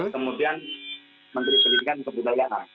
kemudian menteri pendidikan dan kebudayaan